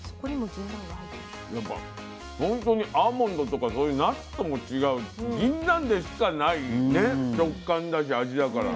やっぱほんとにアーモンドとかそういうナッツとも違うしぎんなんでしかないね食感だし味だから。